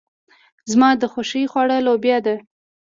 زما د خوښې خواړه لوبيا ده.